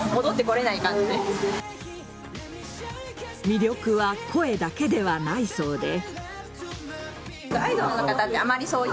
魅力は声だけではないそうで。